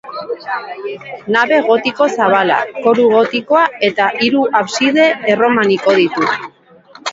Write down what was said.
Nabe gotiko zabala, koru gotikoa eta hiru abside erromaniko ditu.